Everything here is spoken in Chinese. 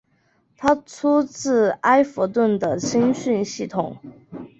他出身自埃弗顿的青训系统。